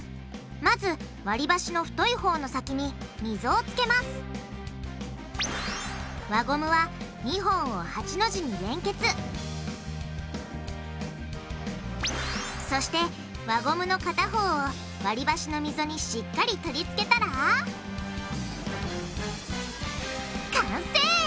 まず割りばしの太いほうの先に溝をつけます輪ゴムは２本を８の字に連結そして輪ゴムの片方を割りばしの溝にしっかり取り付けたら完成！